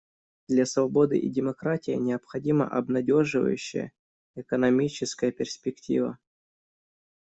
Для свободы и демократии необходима обнадеживающая экономическая перспектива.